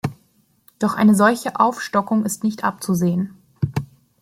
Doch eine solche Aufstockung ist nicht abzusehen.